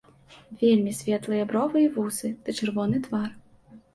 Вельмі светлыя бровы і вусы ды чырвоны твар.